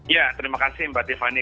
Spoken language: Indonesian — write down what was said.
ya terima kasih mbak tiffany